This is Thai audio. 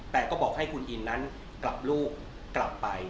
แต่ก็บอกให้คุณอินนั้นกลับลูกกลับไป